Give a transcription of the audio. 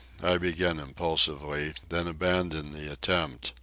." I began impulsively, then abandoned the attempt.